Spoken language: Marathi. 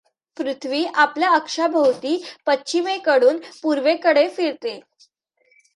पृथ्वी आपल्या अक्षाभोवती पश्चिमेकडून पूर्वेकडे फिरते.